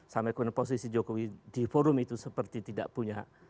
sampai kemudian posisi jokowi di forum itu seperti tidak punya